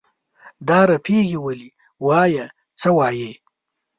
دا رپېږې ولې؟ وایه څه وایې؟